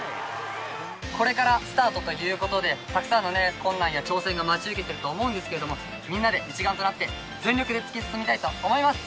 これからスタートということで、たくさんの困難や挑戦が待ち受けてると思うんですけれども、みんなで一丸となって、全力で突き進みたいと思います。